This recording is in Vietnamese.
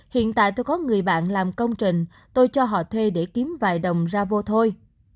hiện tại tôi có người bạn làm công trình tôi cho họ thuê để kiếm vài đồng ra vô thôi